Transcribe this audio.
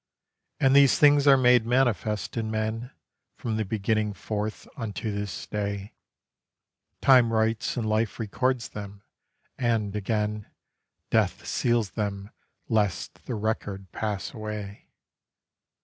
And these things are made manifest in men From the beginning forth unto this day: Time writes and life records them, and again Death seals them lest the record pass away.